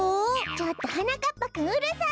ちょっとはなかっぱくんうるさい！